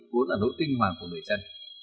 vốn là nỗi tinh hoàng của người dân